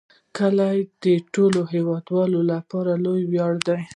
کلي د ټولو هیوادوالو لپاره لوی ویاړ دی.